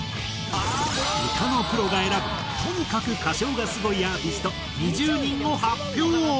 歌のプロが選ぶとにかく歌唱がスゴいアーティスト２０人を発表。